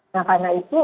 nah karena itu